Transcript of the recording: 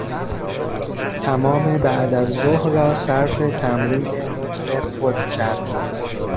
تمام بعدازظهر را صرف تمرین نطق خود کرد.